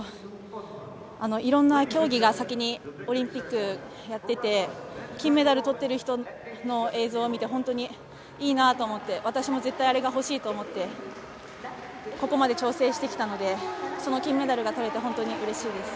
いろんな競技が先にオリンピックやってて、金メダルとってる人の映像を見て、本当にいいなと思って、私も絶対あれが欲しいと思って、ここまで挑戦してきたので、その金メダルがとれて本当にうれしいです。